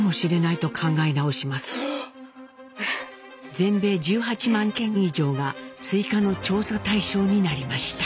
全米１８万件以上が追加の調査対象になりました。